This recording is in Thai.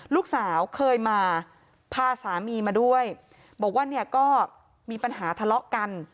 ลูกสาวเคยมาพาสามีมาด้วยบอกว่าเนี่ยก็มีปัญหาทะเลาะกัน